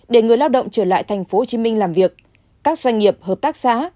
để người lao động trở lại tp hcm làm việc các doanh nghiệp hợp tác xã